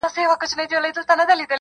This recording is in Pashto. • د خپل ښايسته خيال پر رنگينه پاڼه.